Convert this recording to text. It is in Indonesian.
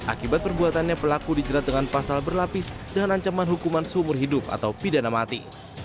akibat perbuatannya pelaku dijerat dengan pasal berlapis dengan ancaman hukuman seumur hidup atau pidana mati